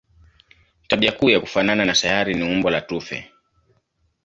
Tabia kuu ya kufanana na sayari ni umbo la tufe.